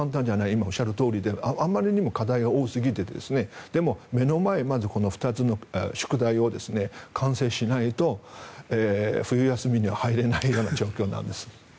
今、おっしゃるとおりであまりにも課題が多すぎてでも、目の前の２つの宿題を完成しないと、冬休みには入れないような状況なんです。